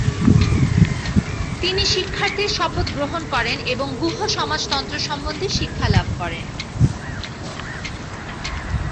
তিনি শিক্ষার্থীর শপথ গ্রহণ করেন এবং গুহ্যসমাজতন্ত্র সম্বন্ধে শিক্ষালাভ করেন।